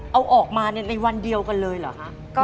เอาออกมาในวันเดียวกันเลยเหรอคะ